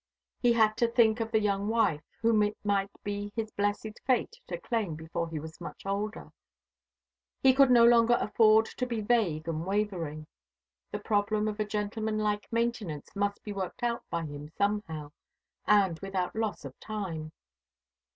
He had to think of the young wife, whom it might be his blessed fate to claim before he was much older. He could no longer afford to be vague and wavering. The problem of a gentleman like maintenance must be worked out by him somehow, and without loss of time.